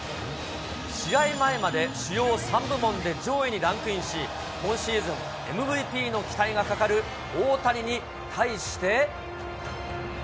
試合前まで主要３部門で上位にランクインし、今シーズン、ＭＶＰの期待がかかる大谷に対して。